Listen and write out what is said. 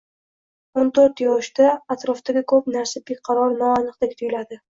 O'n to'rt yoshda atrofdagi ko‘p narsa beqaror, noaniqdek tuyuladi